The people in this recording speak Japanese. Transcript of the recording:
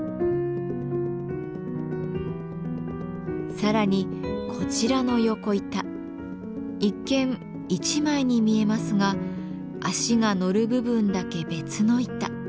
さらにこちらの横板一見一枚に見えますが足が乗る部分だけ別の板。